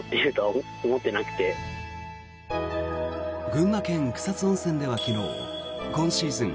群馬県・草津温泉では昨日今シーズン